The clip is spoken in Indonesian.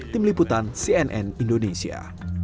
tim liputan cnn indonesia